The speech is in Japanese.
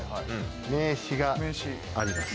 名刺があります。